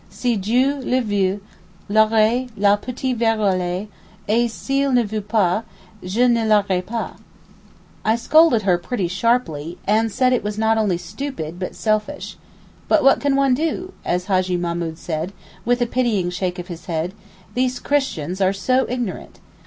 Si Dieu le veut, j'aurai la petite vérole, et s'il ne veut pas, je ne l'aurai pas_. I scolded her pretty sharply, and said it was not only stupid, but selfish. 'But what can one do?' as Hajjee Mahmood said, with a pitying shake of his head; 'these Christians are so ignorant!